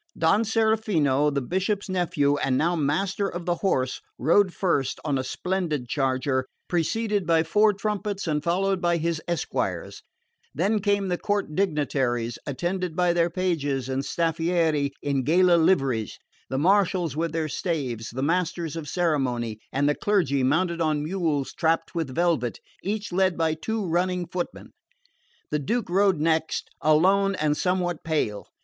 Don Serafino, the Bishop's nephew, and now Master of the Horse, rode first, on a splendid charger, preceded by four trumpets and followed by his esquires; then came the court dignitaries, attended by their pages and staffieri in gala liveries, the marshals with their staves, the masters of ceremony, and the clergy mounted on mules trapped with velvet, each led by two running footmen. The Duke rode next, alone and somewhat pale.